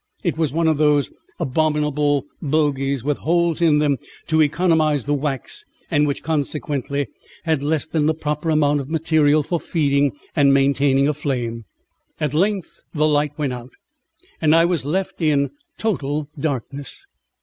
It was one of those abominable bougies with holes in them to economise the wax, and which consequently had less than the proper amount of material for feeding and maintaining a flame. At length the light went out, and I was left in total darkness.